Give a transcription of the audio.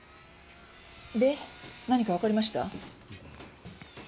で何かわかりました？